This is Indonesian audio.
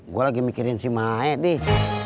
gue lagi mikirin si maed deh